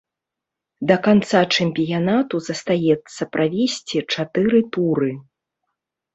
Да канца чэмпіянату застанецца правесці чатыры туры.